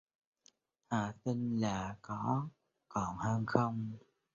thà tin là có còn hơn không